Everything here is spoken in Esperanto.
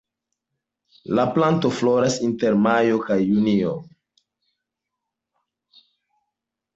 La planto floras inter majo kaj junio.